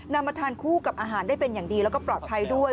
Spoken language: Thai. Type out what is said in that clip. มาทานคู่กับอาหารได้เป็นอย่างดีแล้วก็ปลอดภัยด้วย